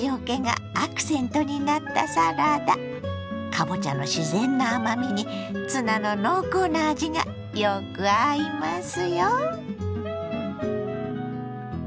かぼちゃの自然な甘みにツナの濃厚な味がよく合いますよ。